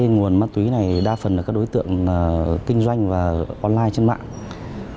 nguồn ma túy này đa phần là các đối tượng kinh doanh và online trên mạng